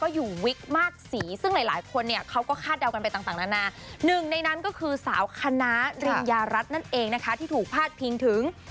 อยู่วิกมากสีซึ่งหลายคนเนี่ยเขาก็คาดเดากันไปต่างนานาหนึ่งในนั้นก็คือสาวคณะริญญารัฐนั่นเองนะคะที่ถูกพาดพิงถึง